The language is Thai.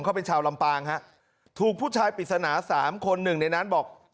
เขาเป็นชาวลำปางฮะถูกผู้ชายปริศนาสามคนหนึ่งในนั้นบอก